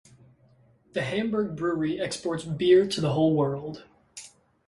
The Hamburg brewery exports beer to the whole world.